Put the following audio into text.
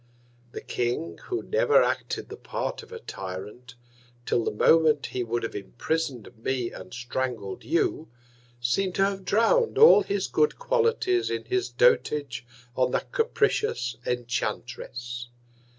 The King, who never acted the Part of a Tyrant, till the Moment he would have imprison'd me, and strangled you, seem'd to have drown'd all his good Qualities in his Dotage on that capricious Enchantress.